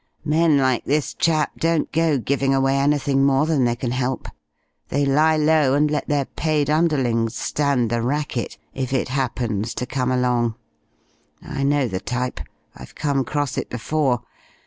Men like this chap don't go giving away anything more than they can help. They lie low and let their paid underlings stand the racket if it happens to come along. I know the type. I've come cross it before.